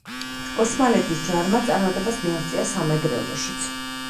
ოსმალეთის ჯარმა წარმატებას მიაღწია სამეგრელოშიც.